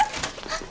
あっ。